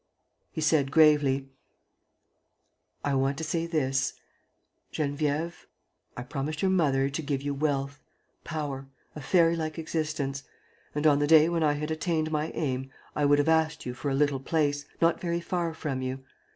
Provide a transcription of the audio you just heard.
He said, gravely: "I want to say this: 'Geneviève, I promised your mother to give you wealth, power, a fairy like existence. And, on the day when I had attained my aim, I would have asked you for a little place, not very far from you.